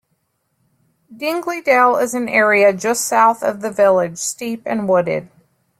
Dingley Dell is an area just south of the village, steep and wooded.